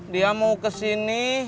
dia mau kesini